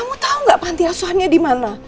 lalu dia datang ke panti asuhannya di mana